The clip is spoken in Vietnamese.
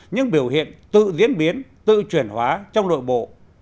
những biểu hiện tự diễn biến tự chuyển hóa trong nội bộ